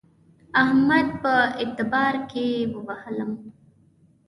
احمد په اعتبار کې ووهلم.